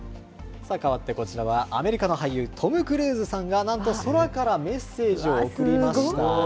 さあ、変わってこちらは、アメリカの俳優、トム・クルーズさんがなんと空からメッセージを送りました。